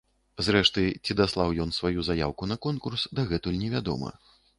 Зрэшты, ці даслаў ён сваю заяўку на конкурс, дагэтуль невядома.